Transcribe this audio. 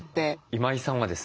今井さんはですね